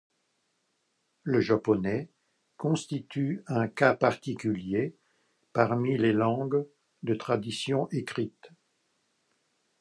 Le japonais constitue un cas particulier parmi les langues de tradition écrite.